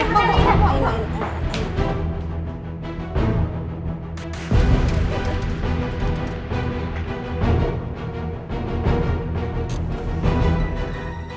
tunggu tunggu tunggu